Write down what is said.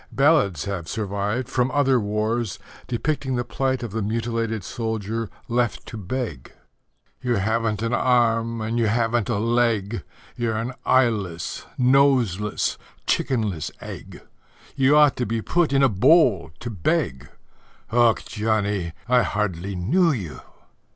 Ballads have survived from other wars, depicting the plight of the mutilated soldier left to beg: You haven't an arm and you haven't a leg, You're an eyeless, noseless, chickenless egg, You ought to be put in a bowl to beg Och, Johnnie, I hardly knew you!